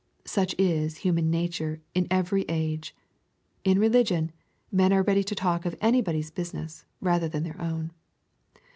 Such is human nature in every age. In religion, men are ready to talk of anybotly's business rather than their own.